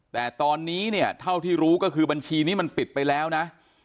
แต่ตอนนี้เนี่ยเท่าที่รู้ก็คือบัญชีนี้มันปิดไปแล้วนะ